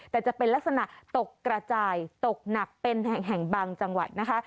แต่จะเป็นลักษณะตกกระจายตกหนักเป็นแห่งบางจังหวัดนะคะ